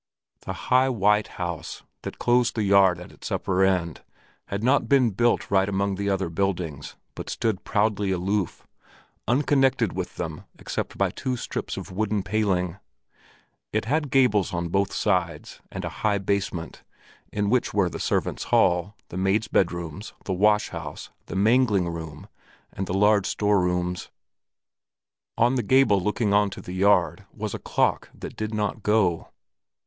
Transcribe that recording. The high white house that closed the yard at its upper end, had not been built right among the other buildings, but stood proudly aloof, unconnected with them except by two strips of wooden paling. It had gables on both sides, and a high basement, in which were the servants' hall, the maids' bedrooms, the wash house, the mangling room, and the large storerooms. On the gable looking on to the yard was a clock that did not go.